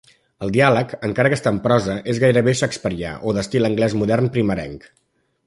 El diàleg, encara que està en prosa, és gairebé shakespearià, o d'estil anglès modern primerenc.